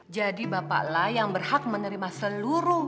jadi bapaklah yang berhak menerima seluruh